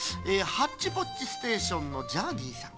「ハッチポッチステーションのジャーニーさん